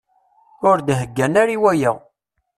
Ur d-heggan ara i waya.